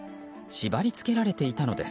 縛り付けられていたのです。